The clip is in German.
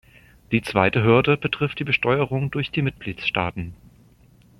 Die zweite Hürde betrifft die Besteuerung durch die Mitgliedstaaten.